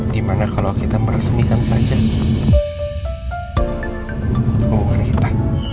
dimana kalau kita meresmikan saja hubungan kita